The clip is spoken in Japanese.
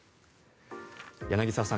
柳澤さん